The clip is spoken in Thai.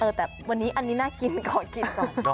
แต่วันนี้อันนี้น่ากินขอกินก่อน